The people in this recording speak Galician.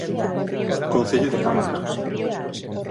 Concello de Cabana.